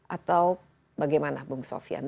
atau bagaimana bung sofyan